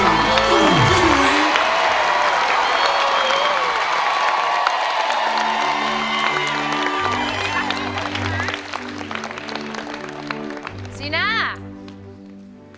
สีหน้าร้องได้หรือว่าร้องผิดครับ